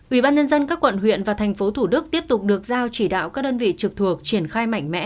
ubnd các quận huyện và thành phố thủ đức tiếp tục được giao chỉ đạo các đơn vị trực thuộc triển khai mạnh mẽ